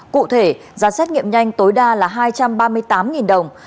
cụ thể giá xét nghiệm nhanh tối đa là hai trăm ba mươi tám đồng